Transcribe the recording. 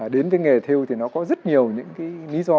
đến cái nghề theo thì nó có rất nhiều những cái lý do